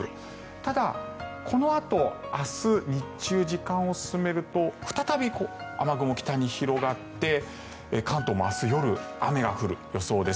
ただ、このあと明日日中時間を進めると再び雨雲が北に広がって関東も明日夜雨が降る予想です。